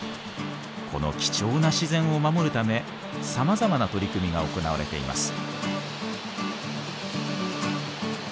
この貴重な自然を守るためさまざまな取り組みが行われています。